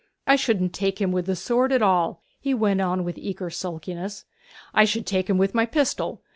I shouldn't take him with the sword at all.' He went on with eager sulkiness, 'I should take him with my pistol.